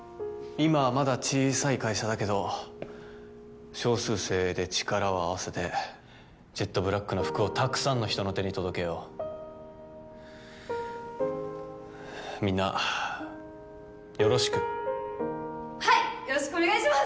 今はまだ小さい会社だけど少数精鋭で力を合わせてジェットブラックの服をたくさんの人の手に届けようみんなよろしくはいよろしくお願いします！